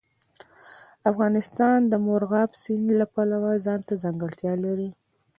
افغانستان د مورغاب سیند د پلوه ځانته ځانګړتیا لري.